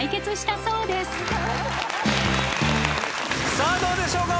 さあどうでしょうか？